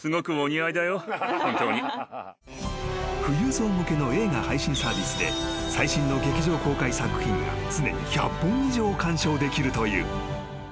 ［富裕層向けの映画配信サービスで最新の劇場公開作品が常に１００本以上観賞できるという］